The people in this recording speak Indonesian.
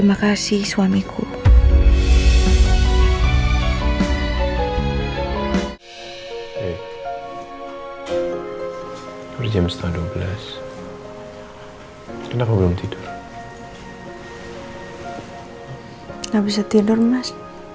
gak bisa tidur mas